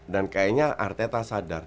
dan kayaknya arteta sadar